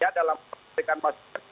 ya dalam proses pembahasan